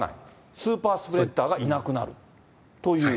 スーパースプレッダーがいなくなるという。